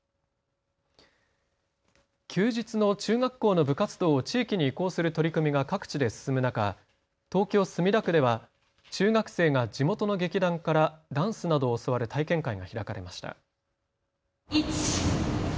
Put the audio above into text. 休日の中学校の部活動を地域に移行する取り組みが各地で進む中、東京墨田区では中学生が地元の劇団からダンスなどを教わる体験会が開かれました。